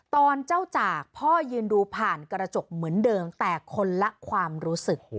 ตอนเจ้าจากพ่อยืนดูผ่านกระจกเหมือนเดิมแต่คนละความรู้สึก